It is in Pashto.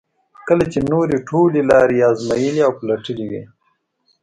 کله چې نورې ټولې لارې یې ازمایلې او پلټلې وي.